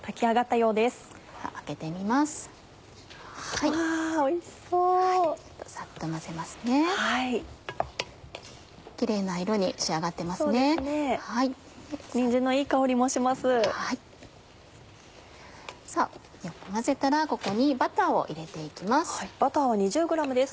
よく混ぜたらここにバターを入れて行きます。